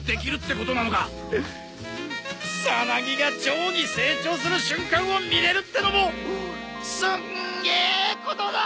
さなぎがチョウに成長する瞬間を見れるってのもすんげえことだ！